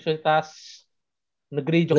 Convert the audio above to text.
universitas negeri jogja kan ya